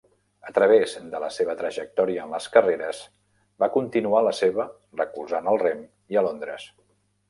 A través de la seva trajectòria en les carreres, va continuar la seva recolzant al rem i a Londres.